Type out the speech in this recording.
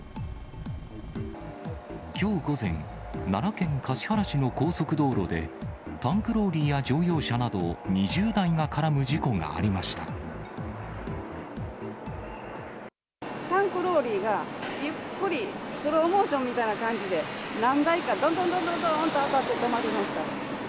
きょう午前、奈良県橿原市の高速道路で、タンクローリーや乗用車など、タンクローリーが、ゆっくりスローモーションみたいな感じで、何台か、どんどんどんどんどんと当たって止まりました。